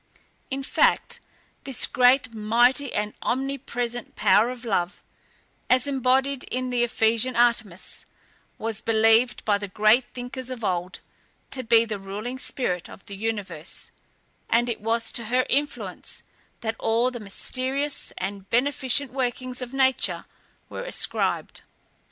In fact, this great, mighty, and omnipresent power of love, as embodied in the Ephesian Artemis, was believed by the great thinkers of old, to be the ruling spirit of the universe, and it was to her influence, that all the mysterious and beneficent workings of nature were ascribed.